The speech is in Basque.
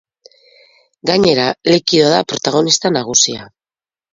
Gainera, likidoa da protagonista nagusia.